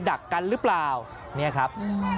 ดักกันหรือเปล่าเนี่ยครับ